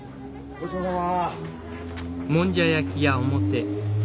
ごちそうさま。